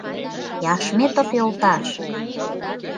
Яшметов йолташ!..